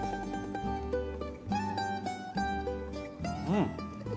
うん。